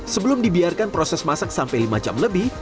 sebelum dibiarkan proses masak sampai lima jam lebih